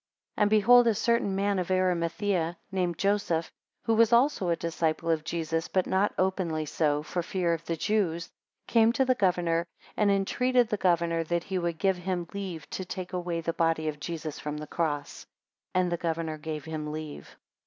12 And behold a certain man of Arimathaea, named Joseph, who was also a disciple of Jesus, but not openly so, for fear of the Jews, came to the governor, and entreated the governor that he would give him leave to take away the body of Jesus from the cross. 13 And the governor gave him leave.